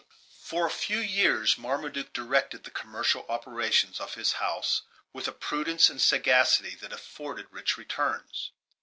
For a few years Marmaduke directed the commercial operations of his house with a prudence and sagacity that afforded rich returns.